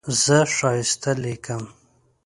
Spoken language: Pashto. زه ښایسته لیکم.